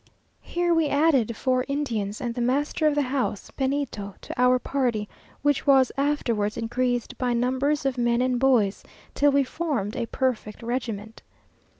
Here we added four Indians, and the master of the house, Benito, to our party, which was afterwards increased by numbers of men and boys, till we formed a perfect regiment.